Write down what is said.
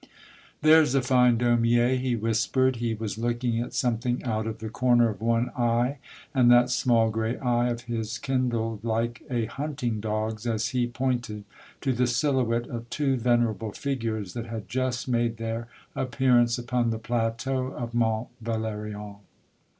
" There 's a fine Daumier !" he whispered. He was looking at something out of the corner of one eye, and that small gray eye of his kindled like a hunting dog's, as he pointed to the silhouette of two venerable figures that had just made their ap pearance upon the plateau of Mont Valerien.